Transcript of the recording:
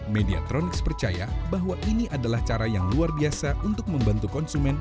mediatronics percaya bahwa ini adalah cara yang luar biasa untuk membantu konsumen